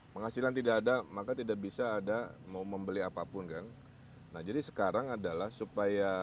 penghasilan tidak ada maka tidak bisa ada mau membeli apapun kan nah jadi sekarang adalah supaya